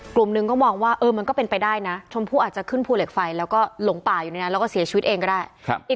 กลุ่มหนึ่งก็มองว่ามันก็เป็นไปได้นะชมพู่อาจจะขึ้นภูเหล็กไฟแล้วก็หลงป่าอยู่ในนั้นแล้วก็เสียชีวิตเองก็ได้